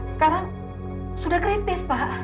sekarang sudah kritis pak